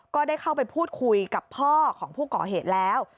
ก็ได้เข้าไปพูดคุยกับพ่อของผู้ก่อเหตุแล้ว